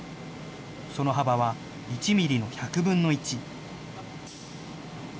その幅は１ミリの１００分の１。